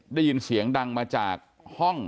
ได้ยินเสียงดังมาจากห้อง